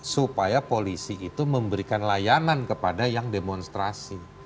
supaya polisi itu memberikan layanan kepada yang demonstrasi